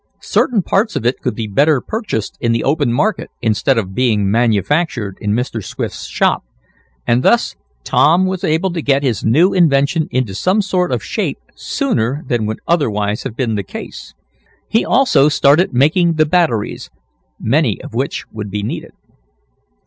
Certain parts of it could be better purchased in the open market instead of being manufactured in Mr. Swift's shop, and thus Tom was able to get his new invention into some sort of shape sooner than would otherwise have been the case. He also started making the batteries, many of which would be needed.